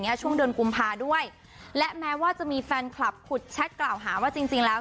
ช่วงเดือนกุมภาด้วยและแม้ว่าจะมีแฟนคลับขุดแชทกล่าวหาว่าจริงจริงแล้ว